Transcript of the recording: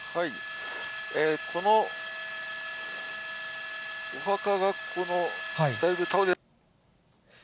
このお墓がだいぶ倒れて。